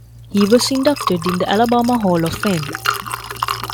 He was inducted in the Alabama Hall of Fame.